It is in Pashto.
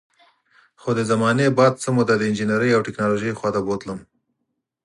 خو د زمانې باد څه موده د انجینرۍ او ټیکنالوژۍ خوا ته بوتلم